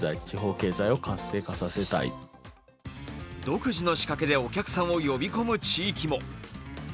独自の仕掛けでお客さんを呼び込む地域も。